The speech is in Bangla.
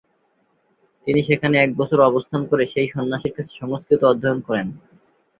তিনি সেখানে এক বছর অবস্থান করে সেই সন্ন্যাসীর কাছে সংস্কৃত অধ্যয়ন করেন।